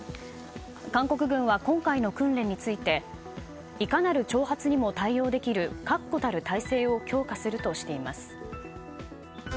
韓国軍は今回の訓練についていかなる挑発にも対応できる確固たる態勢を強化するとしています。